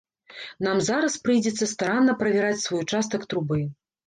Нам зараз прыйдзецца старанна правяраць свой участак трубы.